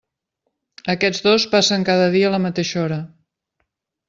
Aquests dos passen cada dia a la mateixa hora.